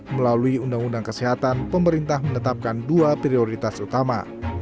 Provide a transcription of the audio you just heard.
melalui undang undang kesehatan pemerintah menetapkan dua prioritas utama